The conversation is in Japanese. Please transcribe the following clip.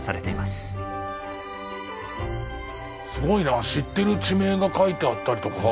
すごいな知ってる地名が書いてあったりとか。